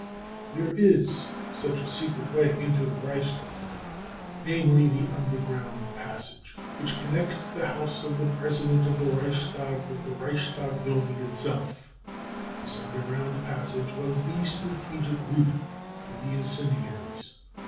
There is such a secret way into the Reichstag, namely, the underground passage which con nects the house of the President of the Reichstag with the Reichstag building itself. This underground passage was the strategic route for the incendiaries.